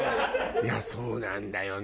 そうなんだよね。